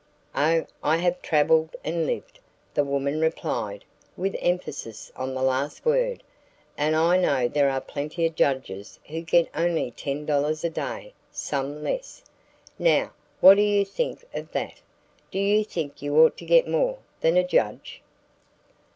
"Oh, I have traveled and lived," the woman replied with emphasis on the last word. "And I know there are plenty of judges who get only $10 a day, some less. Now, what do you think of that? Do you think you ought to get more than a judge?"